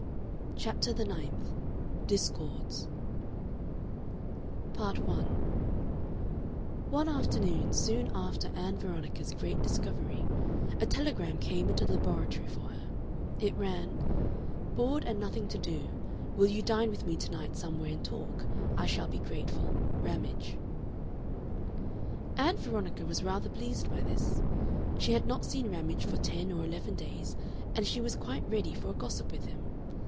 CHAPTER THE NINTH DISCORDS Part 1 One afternoon, soon after Ann Veronica's great discovery, a telegram came into the laboratory for her. It ran: | Bored | and | nothing | to | do |||||||| will | you | dine | with | me |||||||| to night | somewhere | and | talk | I |||||||| shall | be | grateful | Ramage || Ann Veronica was rather pleased by this. She had not seen Ramage for ten or eleven days, and she was quite ready for a gossip with him.